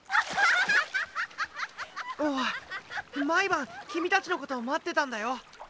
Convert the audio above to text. おお毎晩君たちのこと待ってたんだよ。